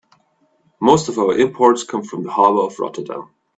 Most of our imports come from the harbor of Rotterdam.